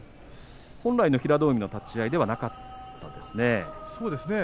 本来の平戸海の立ち合いではなかったですね。